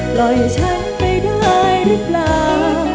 ปล่อยฉันไปได้ได้เปล่า